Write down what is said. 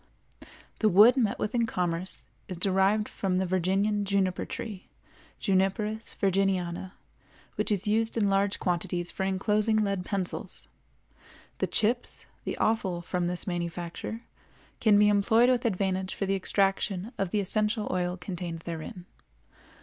The wood met with in commerce is derived from the Virginian juniper tree, Juniperus virginiana, which is used in large quantities for inclosing lead pencils. The chips, the offal from this manufacture, can be employed with advantage for the extraction of the essential oil contained therein.